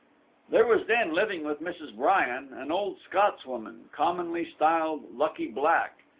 There was then living with Mrs. Bryan an old Scotswoman, commonly styled Lucky Black.